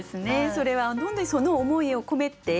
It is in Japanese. それは本当にその思いを込めて。